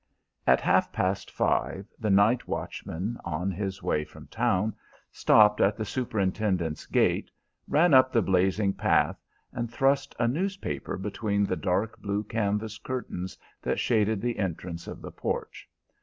At half past five the night watchman, on his way from town, stopped at the superintendent's gate, ran up the blazing path, and thrust a newspaper between the dark blue canvas curtains that shaded the entrance of the porch.